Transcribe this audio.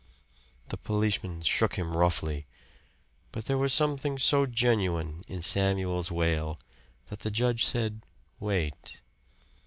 The policeman shook him roughly. But there was something so genuine in Samuel's wail that the judge said, "Wait."